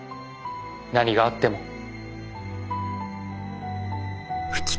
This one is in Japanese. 何があっても。